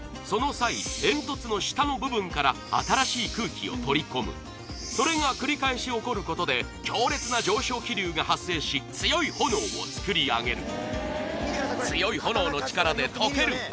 その際煙突の下の部分から新しい空気を取り込むそれが繰り返し起こることで強烈な上昇気流が発生し強い炎を作り上げる強い炎の力で溶ける